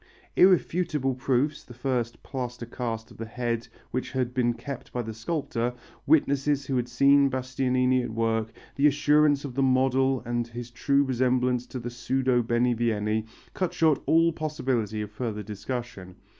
Irrefutable proofs the first plaster cast of the head which had been kept by the sculptor, witnesses who had seen Bastianini at work, the assurance of the model and his true resemblance to the pseudo Benivieni cut short all possibility of further discussion.